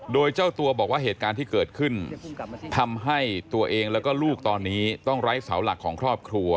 โดยเจ้าตัวบอกว่าเหตุการณ์ที่เกิดขึ้นทำให้ตัวเองแล้วก็ลูกตอนนี้ต้องไร้เสาหลักของครอบครัว